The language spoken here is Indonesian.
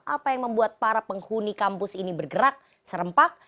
apa yang membuat para penghuni kampus ini bergerak serempak